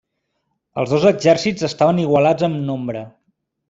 Els dos exèrcits estaven igualats en nombre.